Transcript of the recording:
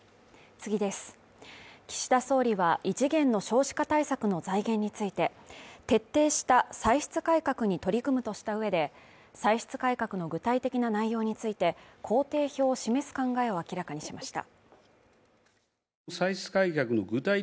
岸田総理は異次元の少子化対策の財源について徹底した歳出改革に取り組むとした上で、歳出改革の具体的な内容について工程表を示す考えを明らかにしました。